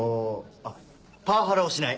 あっパワハラをしない。